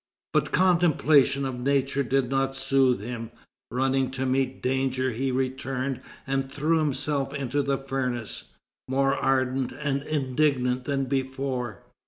But contemplation of nature did not soothe him. Running to meet danger, he returned and threw himself into the furnace, more ardent and indignant than before.